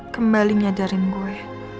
kembali nyadarin gue